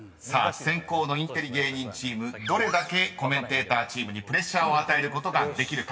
［先攻のインテリ芸人チームどれだけコメンテーターチームにプレッシャーを与えることができるか］